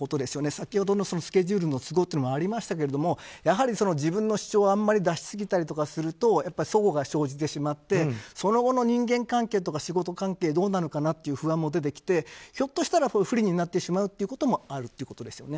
先ほどのスケジュールの都合っていうのもありましたけどやはり自分の主張をあまり出しすぎたりすると齟齬が生じてしまってその後の人間関係とか仕事関係、どうなのかなという不安も出てきてひょっとしたら不利になってしまうということもあるということですよね。